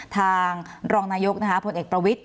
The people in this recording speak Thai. ทางรองนายกผลเอกประวิทธิ